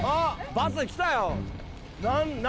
バス来たよ